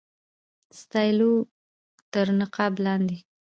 ستایلو تر نقاب لاندي.